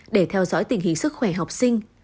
để theo dõi tình hình sức khỏe học sinh